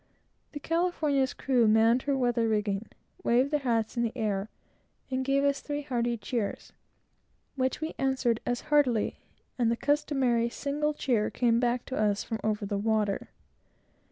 The California's crew manned her weather rigging, waved their hats in the air, and gave up three hearty cheers, which we answered as heartily, and the customary single cheer came back to us from over the water.